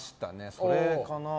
それかな。